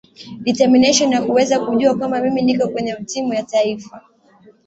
determination ya kuweza kujua kwamba mimi niko kwenye timu ya taifa